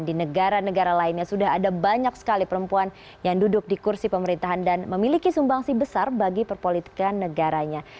di negara negara lainnya sudah ada banyak sekali perempuan yang duduk di kursi pemerintahan dan memiliki sumbangsi besar bagi perpolitikan negaranya